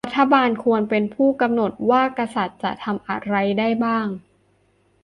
รัฐบาลควรเป็นผู้กำหนดว่ากษัตริย์จะทำอะไรได้บ้าง